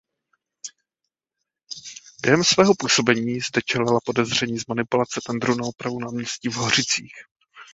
Během svého působení zde čelila podezření z manipulace tendru na opravu náměstí v Hořicích.